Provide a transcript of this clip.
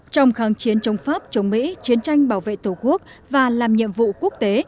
trong kháng chiến chống pháp chống mỹ chiến tranh bảo vệ tổ quốc và làm nhiệm vụ quốc tế